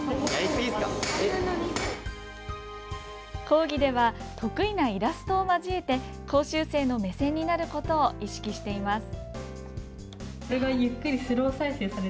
講義では得意なイラストを交えて講習生の目線になることを意識しています。